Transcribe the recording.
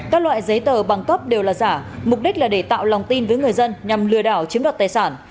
các loại giấy tờ bằng cấp đều là giả mục đích là để tạo lòng tin với người dân nhằm lừa đảo chiếm đoạt tài sản